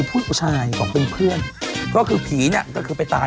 เขาเห็นเป็นตัวเป็นตนไปมาเดินอยู่ในห้อง